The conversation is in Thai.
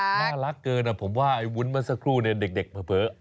น่ารักเกินนะผมว่าวุ้นมาสักครู่ในเด็กเผลอ